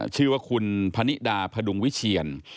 ชื่อว่าคุณพนิดาพดุงวิเชียน